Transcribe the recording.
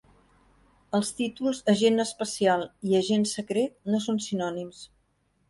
Els títols agent especial i agent secret no són sinònims.